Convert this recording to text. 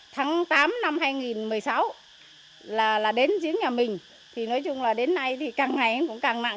tháng tám năm hai nghìn một mươi sáu là đến giếng nhà mình thì nói chung là đến nay thì càng ngày em cũng càng nặng